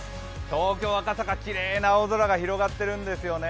東京・赤坂、きれいな青空が広がっているんですよね。